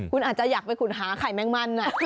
คุณอาจจะอยากไปขุดหาไข่แมงมัน